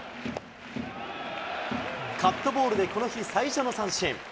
カットボールでこの日、最初の三振。